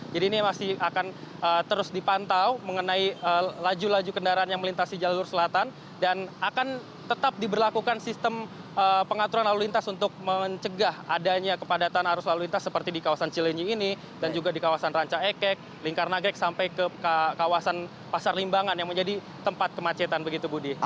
jadi ini masih akan terus dipantau mengenai laju laju kendaraan yang melintasi jalur selatan dan akan tetap diberlakukan sistem pengaturan lalu lintas untuk mencegah adanya kepadatan arus lalu lintas seperti di kawasan cilenji ini dan juga di kawasan ranca ekek lingkar nagrek sampai ke kawasan pasar limbangan yang menjadi tempat kemacetan begitu budi